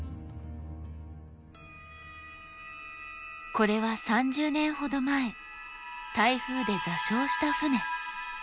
これは３０年ほど前台風で座礁した船。